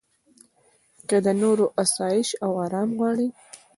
که د نورو اسایش او ارام غواړې.